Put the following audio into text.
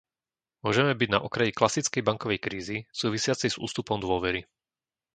Môžeme byť na okraji klasickej bankovej krízy súvisiacej s ústupom dôvery.